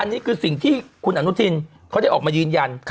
อันนี้คือสิ่งที่คุณอนุทินเขาได้ออกมายืนยัน